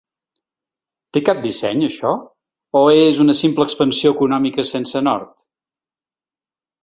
Té cap disseny, això, o és una simple expansió econòmica sense nord?